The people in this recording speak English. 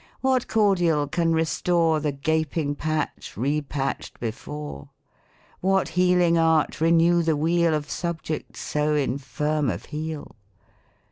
what cordial can restore The gaping patch repatch'd before ? What healing art renew the weal Of subject so infirm of heel